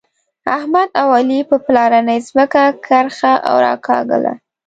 احمد او علي په پلارنۍ ځمکه کرښه راکاږله.